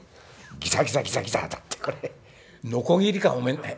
ギザギザギザギザだってこれのこぎりか！え？